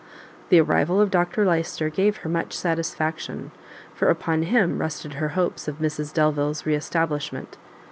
The arrival of Dr Lyster gave her much satisfaction, for upon him rested her hopes of Mrs Delvile's re establishment.